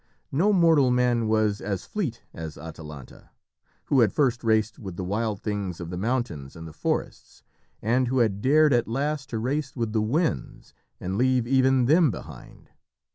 No mortal man was as fleet as Atalanta, who had first raced with the wild things of the mountains and the forests, and who had dared at last to race with the winds and leave even them behind.